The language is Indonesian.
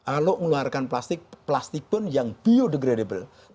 kalau mengeluarkan plastik plastik pun yang biodegradable